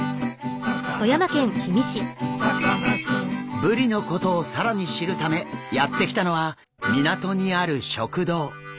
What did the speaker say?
ブリのことを更に知るためやって来たのは港にある食堂。